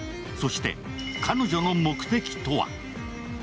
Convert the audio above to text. そして彼女の目的とは？